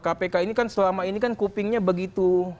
kpk ini kan selama ini kan kupingnya begitu